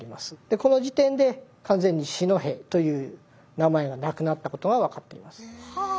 この時点で完全に四戸という名前がなくなったことが分かっています。